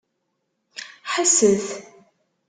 Ḥesset!